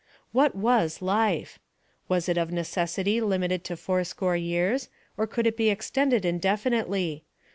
What was life? Was it of necessity limited to fourscore years, or could it be extended indefinitely?